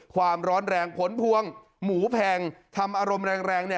ความร้อนแรงผลพวงหมูแพงทำอารมณ์แรง